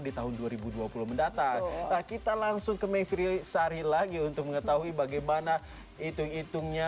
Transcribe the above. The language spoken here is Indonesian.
di tahun dua ribu dua puluh mendatang kita langsung ke mevri sari lagi untuk mengetahui bagaimana hitung hitungnya